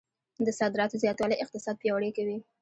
د صادراتو زیاتوالی اقتصاد پیاوړی کوي.